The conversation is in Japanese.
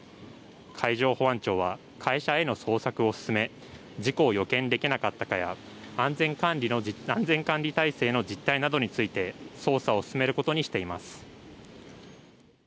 海上保安庁は会社への捜索を進め事故を予見できなかったかや安全管理体制の実態などについて捜査を進めることにしています。